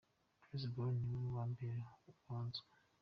Chris Brown ni we wambere wanzwe.